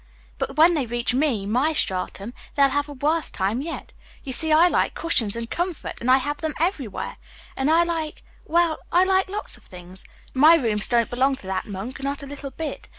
"But when they reach me, my stratum, they'll have a worse time yet. You see, I like cushions and comfort, and I have them everywhere. And I like well, I like lots of things. My rooms don't belong to that monk, not a little bit.